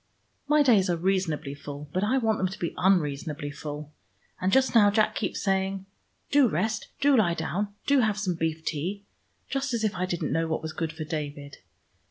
My days are reasonably full, but I want them to be unreasonably full. And just now Jack keeps saying, 'Do rest: do lie down: do have some beef tea.' Just as if I didn't know what was good for David!